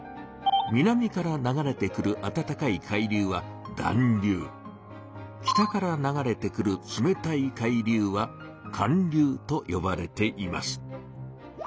南から流れてくるあたたかい海流は「暖流」北から流れてくる冷たい海流は「寒流」とよばれています。